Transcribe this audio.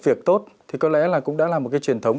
việc tốt thì có lẽ là cũng đã là một cái truyền thống